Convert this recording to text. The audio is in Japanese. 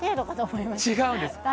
違うんです。